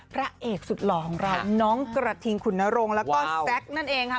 พระเอกสุดหล่อของเราน้องกระทิงขุนนรงค์แล้วก็แซคนั่นเองค่ะ